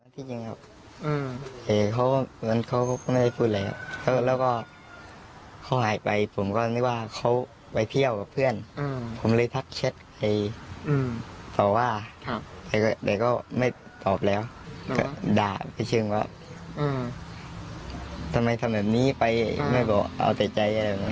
ทำแบบนี้ไปไม่บอกเอาแต่ใจอะไรแบบนี้